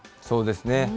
そうですね。